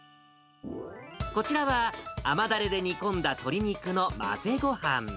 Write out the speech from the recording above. こちらは、甘だれで煮込んだ鶏肉の混ぜごはん。